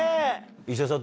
石田さん